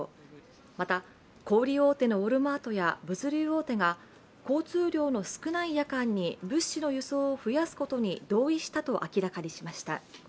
また、小売大手のウォルマートや物流大手が交通量の少ない夜間に物資の輸送を増やすことに同意したと明らかにしました。